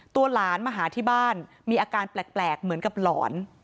หลานมาหาที่บ้านมีอาการแปลกเหมือนกับหลอน